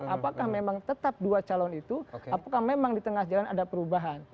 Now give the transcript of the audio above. apakah memang tetap dua calon itu apakah memang di tengah jalan ada perubahan